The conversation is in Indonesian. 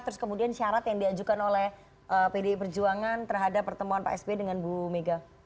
terus kemudian syarat yang diajukan oleh pdi perjuangan terhadap pertemuan pak sby dengan bu mega